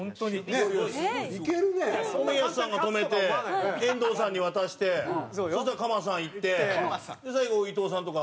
山崎：冨安さんが止めて遠藤さんに渡してそしたら、鎌さん行って最後、伊東さんとか。